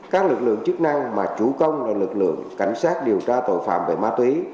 các lực lượng chức năng mà chủ công là lực lượng cảnh sát điều tra tội phạm về ma túy